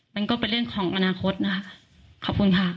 มันก็เป็นเรื่องของอนาคตค่ะ